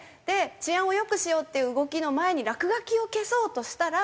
治安を良くしようっていう動きの前に落書きを消そうとしたら。